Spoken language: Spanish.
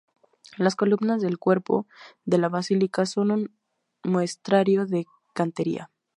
Las columnas del cuerpo de la Basílica, son un muestrario de cantería.